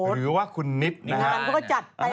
หรือว่าคุณนิด